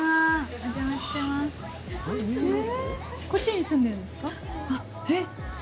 お邪魔してます。